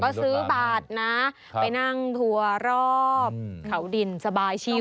ก็ซื้อบาทนะไปนั่งทัวร์รอบเขาดินสบายชิล